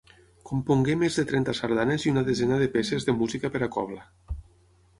Compongué més de trenta sardanes i una desena de peces de música per a cobla.